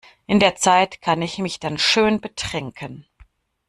In der Zeit kann ich mich dann schön betrinken.